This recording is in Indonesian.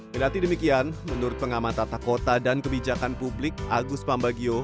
berarti demikian menurut pengamat tata kota dan kebijakan publik agus pambagio